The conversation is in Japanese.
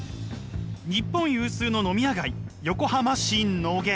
日本有数の飲み屋街横浜市野毛。